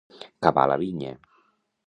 Cavar la vinya.